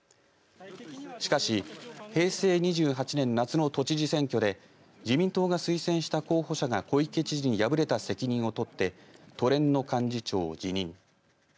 しかし平成２８年夏の都知事選挙で自民党が推薦した候補者が小池知事に敗れた責任を取って都連の幹事長を辞任。